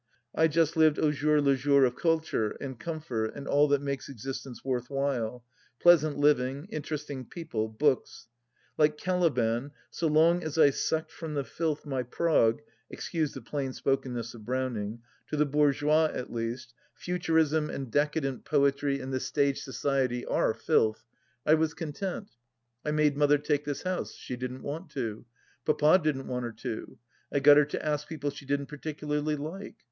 I just lived aujour lejour of culture, and comfort, and all that makes existence worth while — pleasant living, interesting people, books. ... Like Caliban, "so long as I sucked from the filth my prog"— excuse the plainspokenness of Browning : to the bourgeois at least, Futurism and decadent THE LAST DITCH 113 poetry and the Stage Society are filth — I was content. I made Mother take this house. She didn't want to. Papa didn't want her to. I got her to ask people she didn't par ticularly like.